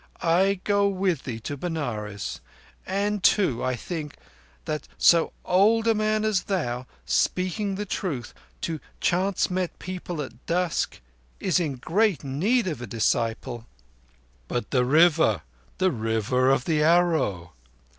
I go with thee to Benares. And, too, I think that so old a man as thou, speaking the truth to chance met people at dusk, is in great need of a disciple." "But the River—the River of the Arrow?"